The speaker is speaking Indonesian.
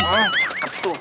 hah cakep tuh